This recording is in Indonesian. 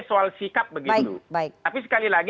soal sikap begitu baik tapi sekali lagi